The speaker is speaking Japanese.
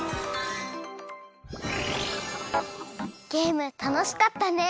ゲームたのしかったね！